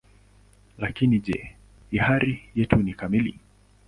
Lakini je, hiari yetu ni kamili?